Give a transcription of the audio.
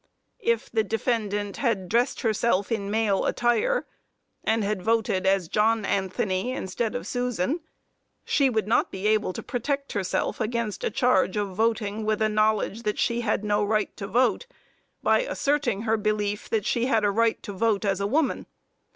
If the defendant had dressed herself in male attire, and had voted as John Anthony, instead of Susan, she would not be able to protect herself against a charge of voting with a knowledge that she had no right to vote, by asserting her belief that she had a right to vote as a woman.